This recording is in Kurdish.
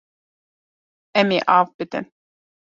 Em ê av bidin.